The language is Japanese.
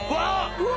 うわ！